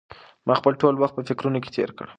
ما خپل ټول وخت په فکرونو کې تېر کړ.